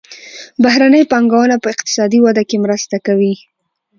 بهرنۍ پانګونه په اقتصادي وده کې مرسته کوي.